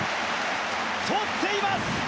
とっています！